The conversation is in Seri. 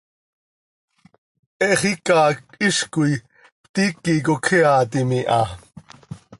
He xiica hizcoi ptiiqui cocjeaatim iha.